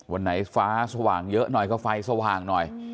วันไหนฟ้าสว่างเยอะก็ไฟสว่าง